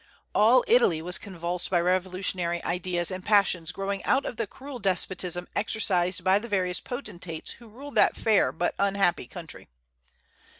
All Italy was convulsed by revolutionary ideas and passions growing out of the cruel despotism exercised by the various potentates who ruled that fair but unhappy country.